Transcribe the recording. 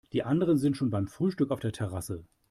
Die anderen sind schon beim Frühstück auf der Terrasse.